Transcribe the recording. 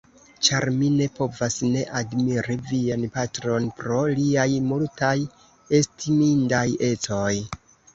ĉar mi ne povas ne admiri vian patron pro liaj multaj estimindaj ecoj.